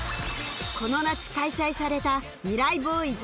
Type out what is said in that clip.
この夏開催されたミライ Ｂｏｙｓ